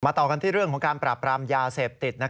ต่อกันที่เรื่องของการปราบปรามยาเสพติด